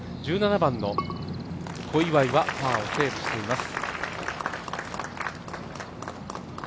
１７番の小祝はパーをセーブしています。